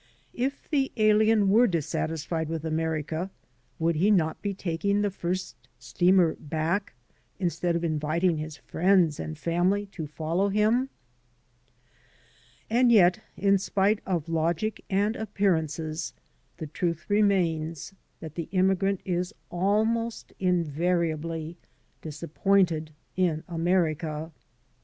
If the alien were dis satisfied with America, would he not be taking the first steamer back instead of inviting his friends and family to follow him? And yet, in spite of logic and appearances, the truth 50 AN AMERICAN IN THE MAKING remains that the immigrant is almost invariably disappointed in America.